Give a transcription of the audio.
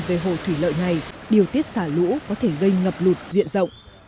về hồ thủy lợi này điều tiết xả lũ có thể gây ngập lụt diện rộng